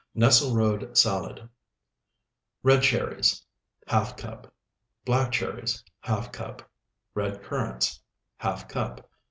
NESSLERODE SALAD Red cherries, ½ cup. Black cherries, ½ cup. Red currants, ½ cup.